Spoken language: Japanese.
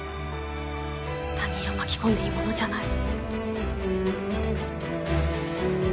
他人を巻き込んでいいものじゃない。